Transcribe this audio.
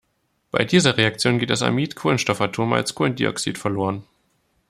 Bei dieser Reaktion geht das Amid-Kohlenstoffatom als Kohlendioxid verloren.